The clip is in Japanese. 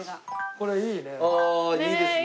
これいいね。